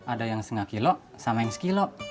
ada yang setengah kilo sama yang sekilo